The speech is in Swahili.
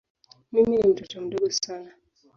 Mimi ni mtoto mdogo sana.